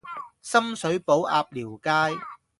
深水埗鴨寮街